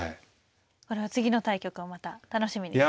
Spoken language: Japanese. これは次の対局もまた楽しみになりますね。